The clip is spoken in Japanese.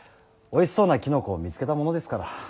おいしそうなきのこを見つけたものですから。